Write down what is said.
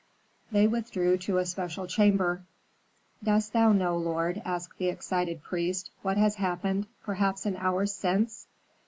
They withdrew to a special chamber. "Dost thou know, lord," asked the excited priest, "what has happened, perhaps an hour since?